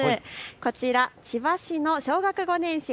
こちら千葉市の小学５年生